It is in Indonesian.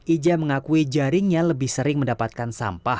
ija mengakui jaringnya lebih sering mendapatkan sampah